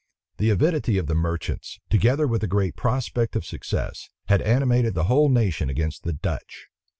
The avidity of the merchants, together with the great prospect of success, had animated the whole nation against the Dutch.